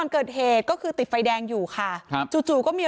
ก็คือติดไฟแดงอยู่ค่ะจู่ก็มี